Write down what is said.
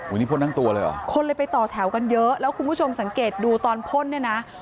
นี่พ่นทั้งตัวเลยเหรอคนเลยไปต่อแถวกันเยอะแล้วคุณผู้ชมสังเกตดูตอนพ่นเนี่ยนะ